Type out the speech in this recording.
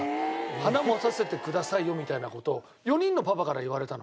花持たせてくださいよみたいな事を４人のパパから言われたの。